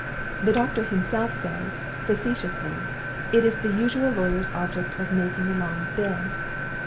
The doctor himself says, facetiously, it is the usual lawyer's object of making a long bill.